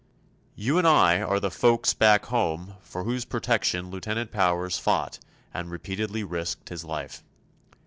You and I are "the folks back home" for whose protection Lieutenant Powers fought and repeatedly risked his life.